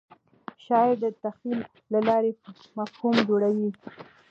شاعر د تخیل له لارې مفهوم جوړوي.